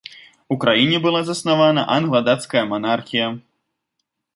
У краіне была заснавана англа-дацкая манархія.